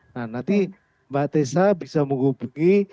nah nanti mbak tessa bisa menghubungi